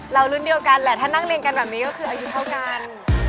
รุ่นเดียวกันแหละถ้านั่งเรียงกันแบบนี้ก็คืออายุเท่ากัน